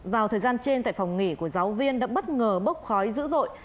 vào thời gian trên tại phòng nghỉ của giáo viên đã bất ngờ bốc cháy dữ dội